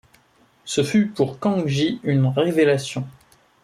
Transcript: Ce fut pour Cang Jie une révélation.